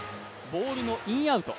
ボールのインアウト。